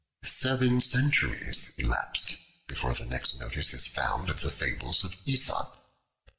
Seven centuries elapsed before the next notice is found of the Fables of Aesop.